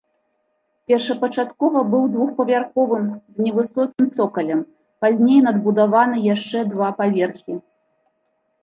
Першапачаткова быў двухпавярховым з невысокім цокалем, пазней надбудаваны яшчэ два паверхі.